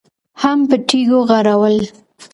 هم په تيږو غړول.